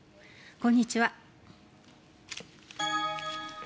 こんにちは。